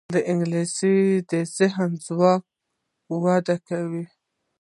انګلیسي د ذهني ځواک وده کوي